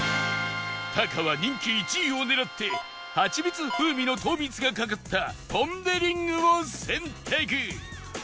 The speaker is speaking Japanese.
タカは人気１位を狙ってハチミツ風味の糖蜜がかかったポン・デ・リングを選択